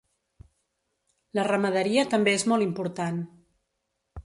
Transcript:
La ramaderia també és molt important.